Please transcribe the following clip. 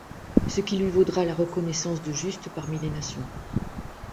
Ce qui lui vaudra la reconnaissance de Juste parmi les nations.